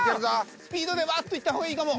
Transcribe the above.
スピードでバッといった方がいいかも。